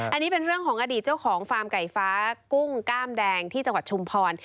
อันนี้เป็นเรื่องของอดีตเจ้าของฟาร์มไก่ฟ้ากุ้งกล้ามแดงที่จังหวัดชุมพร